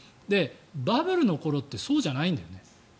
バブルの頃ってそうじゃないんだよね。